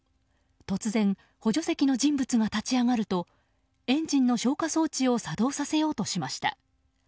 突然、補助席の人物が立ち上がるとエンジンの消火装置を作動させようとしました。